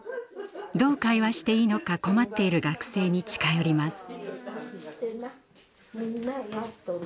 どう会話していいのか困っている学生に近寄ります。